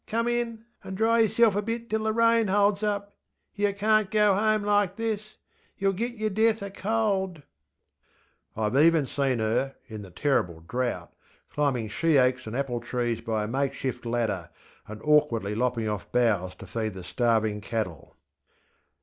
Come in! and dry yerself a bit till the rain holds up. Yer canŌĆÖt go home like this! YerŌĆÖll git yer death oŌĆÖ cold. ŌĆÖ IŌĆÖve even seen her, in the terrible drought, climbing she oaks and apple trees by a makeshift ladder, and awkwardly lopping off boughs to feed the starving cattle.